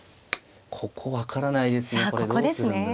ここ分からないですね。